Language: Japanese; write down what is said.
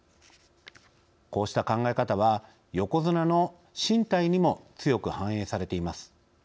こうした考え方は横綱の進退にも強く反映されています。